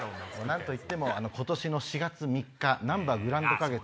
何といっても今年の４月３日なんばグランド花月